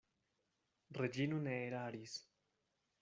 Reĝino ne eraris.